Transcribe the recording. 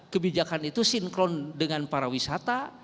kebijakan itu sinkron dengan para wisata